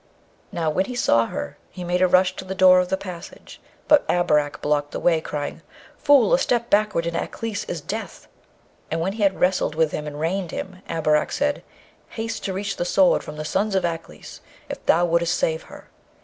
Now, when he saw her, he made a rush to the door of the passage; but Abarak blocked the way, crying, 'Fool! a step backward in Aklis is death!' And when he had wrestled with him and reined him, Abarak said, 'Haste to reach the Sword from the sons of Aklis, if thou wouldst save her.'